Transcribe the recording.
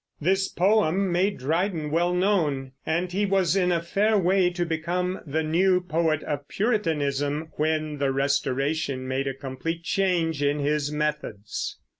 This poem made Dryden well known, and he was in a fair way to become the new poet of Puritanism when the Restoration made a complete change in his methods.